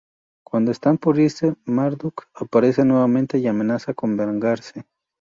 Cuando están por irse, Marduk aparece nuevamente y amenaza con vengarse.